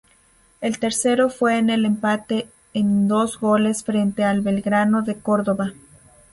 El tercero fue en el empate en dos goles frente a Belgrano de Córdoba.